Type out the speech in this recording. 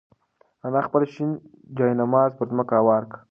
انا خپل شین جاینماز پر ځمکه هوار کړ.